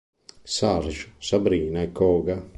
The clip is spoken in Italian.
Surge, Sabrina e Koga.